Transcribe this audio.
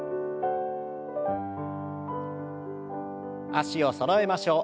脚をそろえましょう。